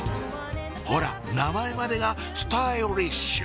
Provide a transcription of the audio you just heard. ほら名前までがスタイリッシュ！